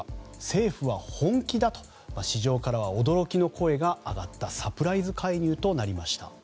政府は本気だと市場からは驚きの声が上がったサプライズ介入となりました。